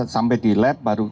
sampai di lab baru